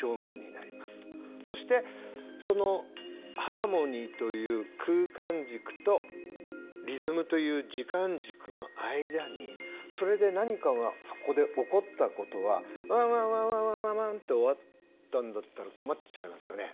そしてそのハーモニーという空間軸とリズムという時間軸の間にそれで何かがそこで起こったことは「ワンワンワンワンワン」と終わったんだったら困っちゃいますよね。